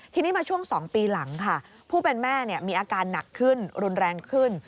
ทีนี้มาช่วง๒ปีหลังค่ะผู้เป็นแม่มีอาการหนักขึ้นรุนแรงขึ้น